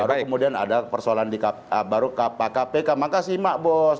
baru kemudian ada persoalan di kpk baru pak kpk makasih mak bos